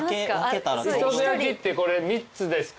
磯辺焼きって３つですか？